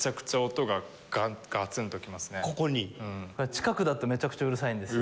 近くだとめちゃくちゃうるさいんですよ。